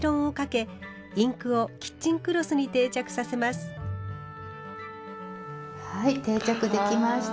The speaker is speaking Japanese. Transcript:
仕上げにはい定着できました。